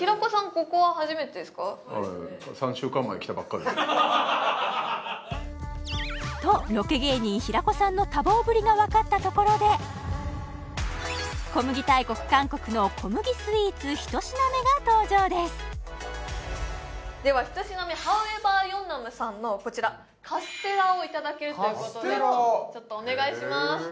ここは初めてですか？とロケ芸人・平子さんの多忙ぶりがわかったところで小麦大国韓国の小麦スイーツ１品目が登場ですでは１品目ｈｏｗｅｖｅｒ延南さんのこちらカステラをいただけるということでちょっとお願いします